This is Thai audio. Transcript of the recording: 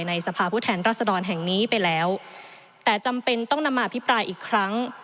สภาพผู้แทนรัศดรแห่งนี้ไปแล้วแต่จำเป็นต้องนำมาอภิปรายอีกครั้ง